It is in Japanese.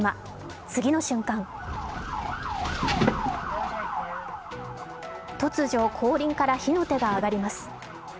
次の瞬間突如、後輪から火の手が上がります